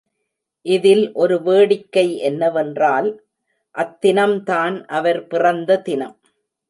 இதில் ஒரு வேடிக்கை என்னவென்றால், அத்தினம்தான் அவர் பிறந்த தினம்.